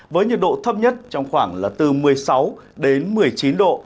với nhiệt độ thấp nhất trong khoảng là từ một mươi sáu đến một mươi chín độ